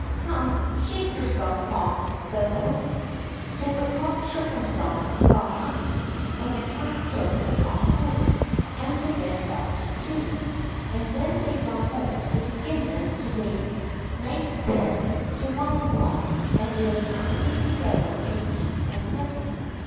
"Come, shake yourself, cock!" said puss. So the cock shook himself, and got up, and the cat took the cock home, and the dead foxes too. And when they got home they skinned them to make nice beds to lie upon, and lived happily together in peace and plenty.